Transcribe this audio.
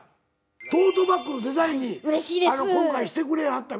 トートバッグのデザインに今回してくれはったみたいで。